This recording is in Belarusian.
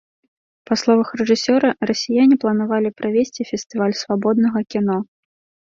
Па словах рэжысёра, расіяне планавалі правесці фестываль свабоднага кіно.